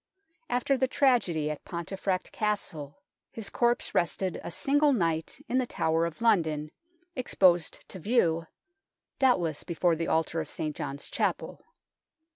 After the tragedy of Pontefract Castle, his corpse rested a single night in the Tower of London, exposed to view doubtless before the altar of St. John's Chapel.